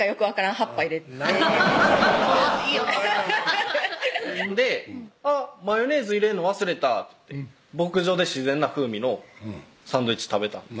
葉っぱ入れて怖いよ「あっマヨネーズ入れんの忘れた」って牧場で自然な風味のサンドイッチ食べたんです